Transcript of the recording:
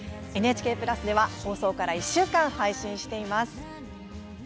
ＮＨＫプラスでは放送から１週間、配信しています。